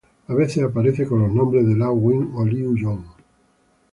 A veces aparece con los nombre de Lau Wing o Liu Yong.